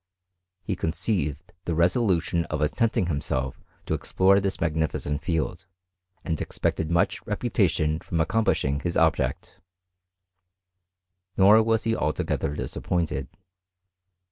He conceived the resolution of attempting himself to explore this magnificent field, and expected much re putation from accomplishing his object. Nor was he altogether disappointed.